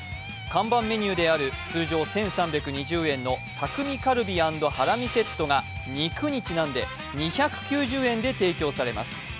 看板メニューある通常１３２０円の匠カルビ＆ハラミセットが肉にちなんで２９０円で提供されます。